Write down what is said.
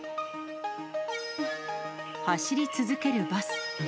走り続けるバス。